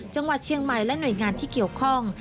จังหวัดเชียงใหม่และหน่วยงานที่เกี่ยวข้อง